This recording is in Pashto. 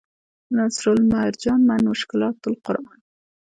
نصرالمرجان من مشکلات القرآن